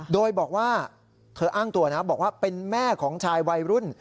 โดยบอกว่าเธออ้างตัวนะบอกว่าเป็นแม่ของชายวัยรุ่น